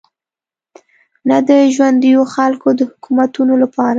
نه د ژونديو خلکو د حکومتونو لپاره.